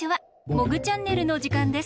「モグチャンネル」のじかんです。